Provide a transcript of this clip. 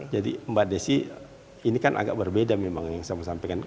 jadi mbak desy ini kan agak berbeda memang yang saya sampaikan